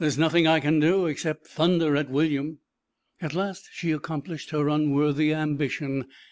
There is nothing I can do except thunder at William. At last she accomplished her unworthy ambition.